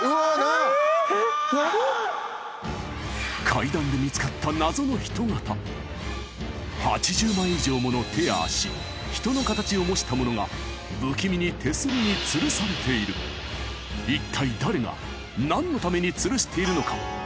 階段で見つかった謎のヒトガタ８０枚以上もの手や足人の形を模したものが不気味に手すりに吊されている一体誰が何のために吊しているのか？